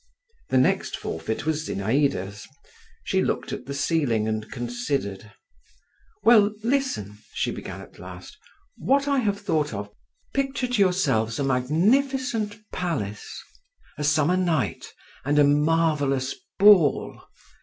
The next forfeit was Zinaïda's. She looked at the ceiling and considered. "Well, listen, she began at last, "what I have thought of…. Picture to yourselves a magnificent palace, a summer night, and a marvellous ball.